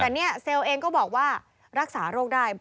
แต่เนี่ยเซลล์เองก็บอกว่ารักษาโรคได้